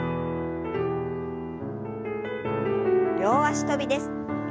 両脚跳びです。